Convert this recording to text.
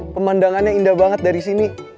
pemandangannya indah banget dari sini